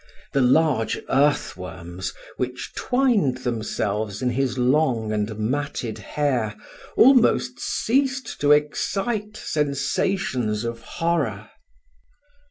The large earth worms, which twined themselves in his long and matted hair, almost ceased to excite sensations of horror.